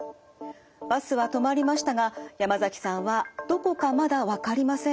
バスは止まりましたが山崎さんはどこかまだわかりません。